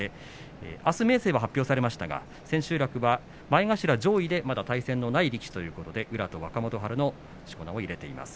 あす明生は発表されましたが千秋楽は前頭上位まだ対戦がない力士ということで宇良と若元春のしこ名を入れています。